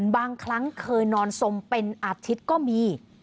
บางครั้งเคยนอนสมเป็นอาทิตย์ก็มี